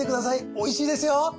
美味しいですよ。